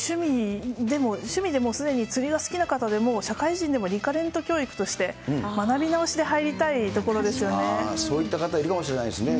趣味でもうすでに釣りが好きな方でも、社会人でもリカレント教育として、学び直しで入りたいそういった方いるかもしれないですね。